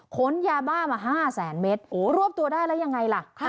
ขนยาบ้ามา๕แสนเมตรรวบตัวได้แล้วยังไงล่ะ